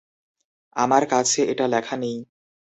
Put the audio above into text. আমার কাছে এটা লেখা নেই